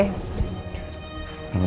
selamat dulu ya